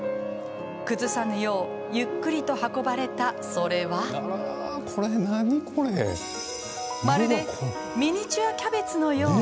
崩さぬようゆっくりと運ばれた、それはまるでミニチュアキャベツのよう。